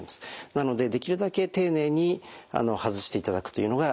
なのでできるだけ丁寧に外していただくというのがよろしいかと思います。